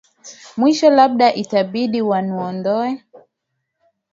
mwisho labda itabidi wanuondoe